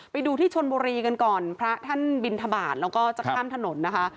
ไปดูที่ชนบุรีกันก่อนพระท่านบินทบาทแล้วก็จะข้ามถนนนะคะ